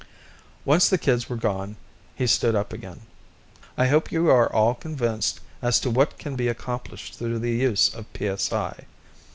Once the kids were gone, he stood up again. "I hope you are all convinced as to what can be accomplished through the use of psi.